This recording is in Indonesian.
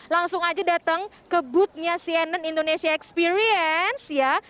langsung aja datang ke booth nya cnn indonesia experience ya